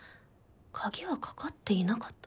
鍵は掛かっていなかった」。